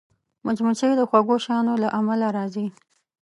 مچمچۍ د خوږو شیانو له امله راځي